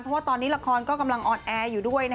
เพราะว่าตอนนี้ละครก็กำลังออนแอร์อยู่ด้วยนะ